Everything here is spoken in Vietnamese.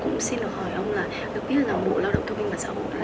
được biết là bộ lao động thông minh và giáo hội